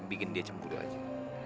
bikin dia cemburu aja